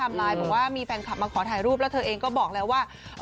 ไลน์บอกว่ามีแฟนคลับมาขอถ่ายรูปแล้วเธอเองก็บอกแล้วว่า